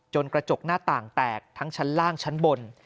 กระจกหน้าต่างแตกทั้งชั้นล่างชั้นบน